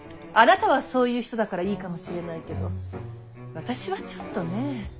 あなたはそういう人だからいいかもしれないけど私はちょっとねえ。